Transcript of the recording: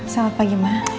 selamat pagi mah